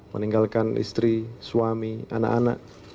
meninggalkan istri suami anak anak